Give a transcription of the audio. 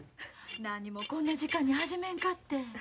なにもこんな時間に始めんかって。